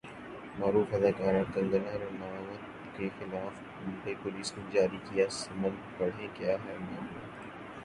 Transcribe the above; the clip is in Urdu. معروف اداکارہ کنگنا رناوت کے خلاف ممبئی پولیس نے جاری کیا سمن ، پڑھیں کیا ہے معاملہ